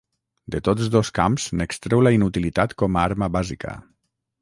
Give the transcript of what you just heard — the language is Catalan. De tots dos camps n'extreu la inutilitat com a arma bàsica.